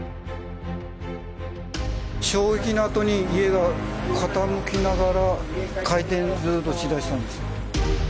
衝撃のあとに家が傾きながら回転ズーッとしだしたんです。